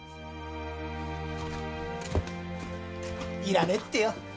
いらねえってよ。